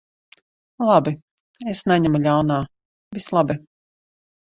Labi. Es neņemu ļaunā. Viss labi.